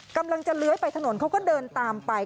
กำลังจะเลื้อยไปถนนเขาก็เดินตามไป